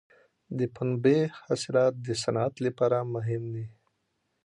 د پنبې حاصلات د صنعت لپاره مهم دي.